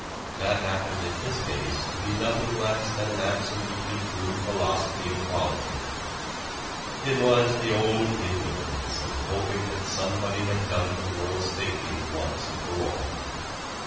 That happened in this case to be nothing less than an absolutely true philosophy of politics. It was the old indolence of hoping that somebody had done the world's thinking once and for all.